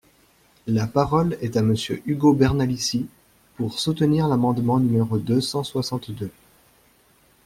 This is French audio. La parole est à Monsieur Ugo Bernalicis, pour soutenir l’amendement numéro deux cent soixante-deux.